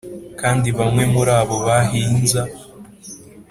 kandi bamwe muri abo bahinza